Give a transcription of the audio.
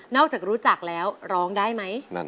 จากรู้จักแล้วร้องได้ไหม